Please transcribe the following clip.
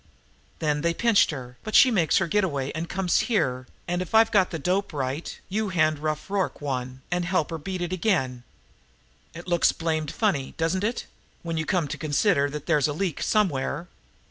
Then they pinch her, but she makes her get away, and comes here, and, if the dope I've got is right, you hand Rough Rorke one, and help her to beat it again. It looks blamed funny doesn't it? when you come to consider that there's a leak somewhere!"